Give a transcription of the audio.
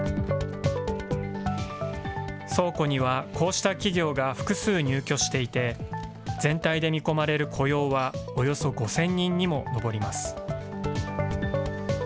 倉庫にはこうした企業が複数入居していて、全体で見込まれる雇用はおよそ５０００人にも上ります。